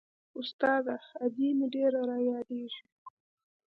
استاده ادې مې ډېره رايادېږي.